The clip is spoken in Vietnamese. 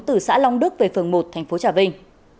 từ xã long đức về phường một tp trà vinh